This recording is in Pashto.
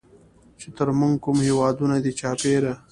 چې تر مونږ کوم هېوادونه دي چاپېره